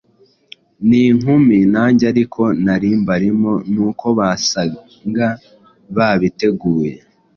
n’inkumi nange ariko nari mbarimo. Nuko basanga babiteguye,